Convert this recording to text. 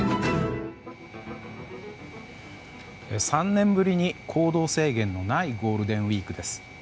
３年ぶりに行動制限のないゴールデンウィークです。